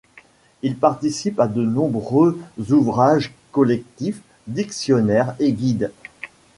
Il participe à de nombreux ouvrages collectifs, dictionnaires et guides.